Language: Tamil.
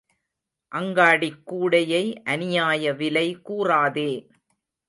அங்காடிக் கூடையை அநியாய விலை கூறாதே.